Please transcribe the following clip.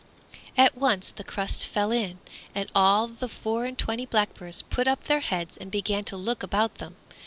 At once the crust fell in, and all the four and twenty blackbirds put up their heads and began to look about them.